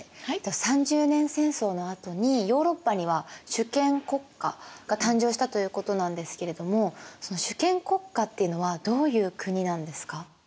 三十年戦争のあとにヨーロッパには主権国家が誕生したということなんですけれども主権国家っていうのはどういう国なんですか？